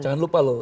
jangan lupa loh